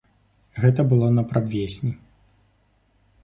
Гэта было на прадвесні.